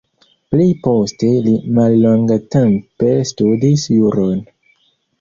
Pli poste li mallongtempe studis juron.